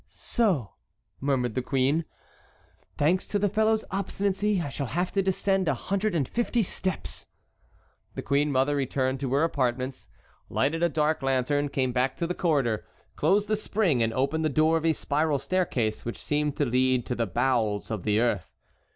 "So," murmured the queen, "thanks to the fellow's obstinacy I shall have to descend a hundred and fifty steps." The queen mother returned to her apartments, lighted a dark lantern, came back to the corridor, closed the spring, and opened the door of a spiral staircase which seemed to lead to the bowels of the earth.